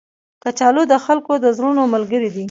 کچالو د خلکو د زړونو ملګری دی